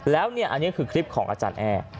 แล้วเนี่ยอันนี้คือคลิปของอาจารย์แอร์